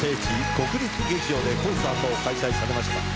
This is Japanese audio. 国立劇場でコンサートを開催されました。